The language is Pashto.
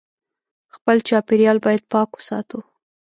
خپل چاپېریال باید پاک وساتو